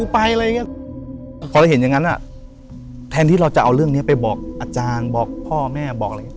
พอเห็นอย่างนั้นแทนที่เราจะเอาเรื่องนี้ไปบอกอาจารย์พ่อแม่